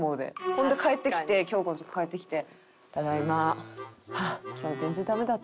ほんで帰ってきて京子のとこ帰ってきて。